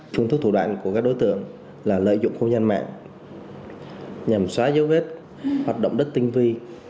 phương thức thủ đoạn của các đối tượng là lợi dụng không gian mạng nhằm xóa dấu vết hoạt động rất tinh vi